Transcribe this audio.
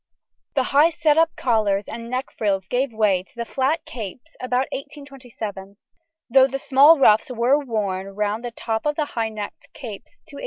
The high set up collars and neck frills gave way to the flat capes about 1827, though the small ruffs were worn round the top of the high necked capes to 1830.